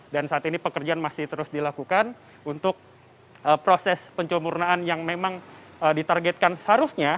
dan saat ini pekerjaan masih terus dilakukan untuk proses pencomurnaan yang memang ditargetkan seharusnya